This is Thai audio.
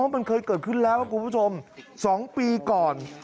มันเคยเกิดขึ้นแล้วครับคุณผู้ชม๒ปีก่อน